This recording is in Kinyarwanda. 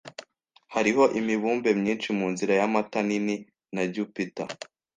Hariho imibumbe myinshi, munzira y'Amata nini na Jupiter